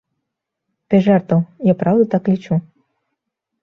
Без жартаў, я праўда так лічу.